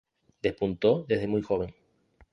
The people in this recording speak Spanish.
Despuntó desde muy joven.